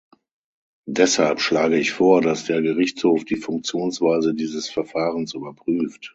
Deshalb schlage ich vor, dass der Gerichtshof die Funktionsweise dieses Verfahrens überprüft.